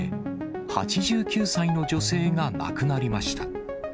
８９歳の女性が亡くなりました。